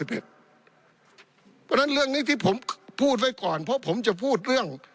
เพราะฉะนั้นเรื่องนี้ที่ผมพูดไว้ก่อนเพราะผมจะพูดเรื่อง